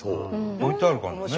置いてあるからね。